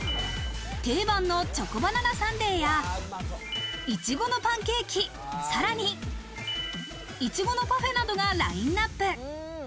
定番のチョコバナナサンデーや、いちごのパンケーキ、さらに、いちごのパフェなどがラインナップ。